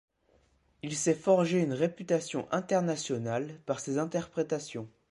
Il s'est forgé une réputation internationale par ses interprétations.